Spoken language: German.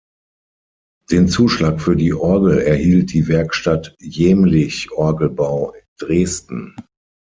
Den Zuschlag für die Orgel erhielt die Werkstatt Jehmlich Orgelbau Dresden.